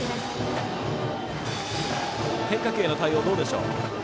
変化球への対応はどうでしょう。